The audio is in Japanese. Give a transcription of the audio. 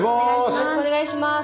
よろしくお願いします。